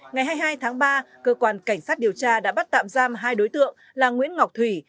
ngày hai mươi hai tháng ba cơ quan cảnh sát điều tra đã bắt tạm giam hai đối tượng là nguyễn ngọc thủy